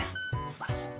すばらしい。